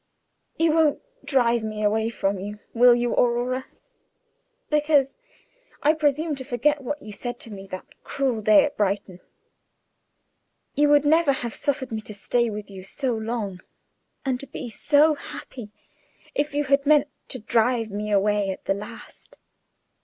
You won't drive me away from you, will you, Aurora, because I presume to forget what you said to me that cruel day at Brighton? You would never have suffered me to stay with you so long, and to be so happy, if you had meant to drive me away at the last!